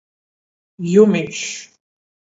Jumičs.